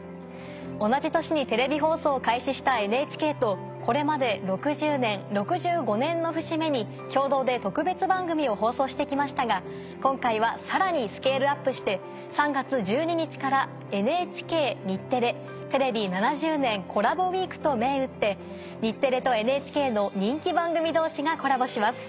同じ年にテレビ放送を開始したＮＨＫとこれまで６０年６５年の節目に共同で特別番組を放送してきましたが今回はさらにスケールアップして３月１２日から「ＮＨＫ×日テレテレビ７０年コラボウイーク」と銘打って日テレとＮＨＫの人気番組同士がコラボします。